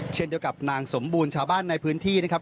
เช่นเดียวกับนางสมบูรณ์ชาวบ้านในพื้นที่นะครับ